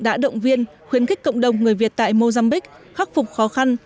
đã động viên khuyến khích cộng đồng người việt tại mozambique khắc phục khó khăn